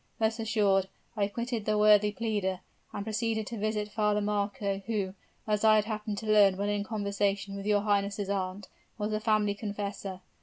Thus assured, I quitted the worthy pleader, and proceeded to visit Father Marco, who, as I had happened to learn when in conversation with your highness' aunt, was the family confessor.